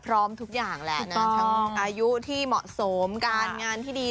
พร้อมทุกอย่างแหละนะทั้งอายุที่เหมาะสมการงานที่ดี